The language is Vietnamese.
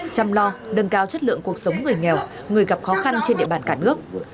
chăm lo nâng cao chất lượng cuộc sống người nghèo người gặp khó khăn trên địa bàn cả nước